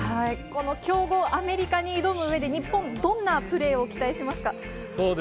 強豪アメリカに挑む上で、日本、どんなプレーを期待しますか？